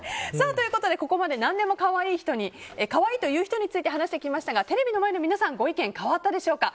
ここまで何でも可愛いと言う人について話してきましたがテレビの前の皆さんご意見変わったでしょうか。